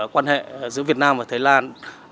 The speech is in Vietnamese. quan hệ giữa việt nam và thái lan